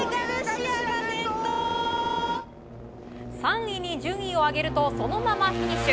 ３位に順位を上げるとそのままフィニッシュ。